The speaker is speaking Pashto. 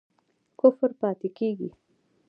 کفر پاتی کیږي؟